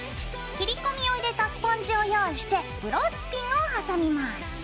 切り込みを入れたスポンジを用意してブローチピンをはさみます。